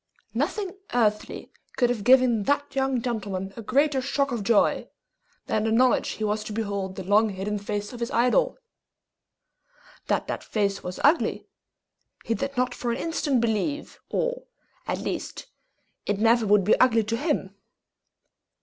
Nothing earthly could have given that young gentleman a greater shock of joy than the knowledge he was to behold the long hidden face of his idol. That that face was ugly, he did not for an instant believe, or, at least, it never would be ugly to him.